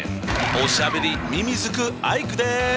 おしゃべりミミズクアイクです！